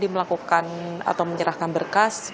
melakukan atau menyerahkan berkas